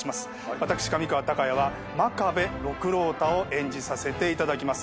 私上川隆也は真壁六郎太を演じさせていただきます。